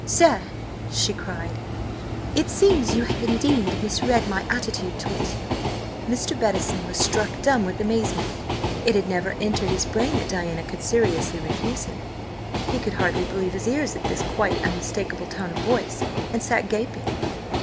"Sir," she cried, "it seems you have indeed misread my attitude towards you!" Mr. Bettison was struck dumb with amazement. It had never entered his brain that Diana could seriously refuse him. He could hardly believe his ears at this quite unmistakable tone of voice, and sat gaping.